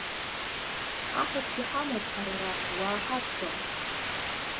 Афатәгьы ҳамоуп ҳара араҟа, уааҳадтәал.